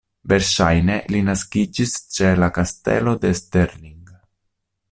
Verŝajne li naskiĝis ĉe la Kastelo de Stirling.